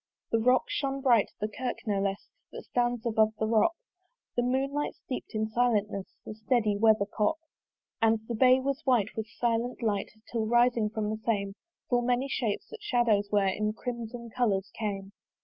The rock shone bright, the kirk no less That stands above the rock: The moonlight steep'd in silentness The steady weathercock. And the bay was white with silent light, Till rising from the same Full many shapes, that shadows were, In crimson colours came.